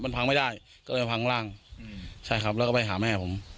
มันพังไม่ได้ก็เลยพังร่างอืมใช่ครับแล้วก็ไปหาแม่ผม